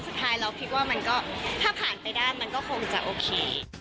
สุดท้ายเราคิดว่ามันก็ถ้าผ่านไปได้มันก็คงจะโอเค